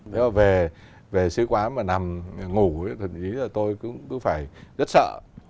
nếu mà về sứ quán mà nằm ngủ thì tôi cũng phải rất sợ